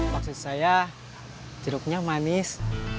maksud saya jeruknya manis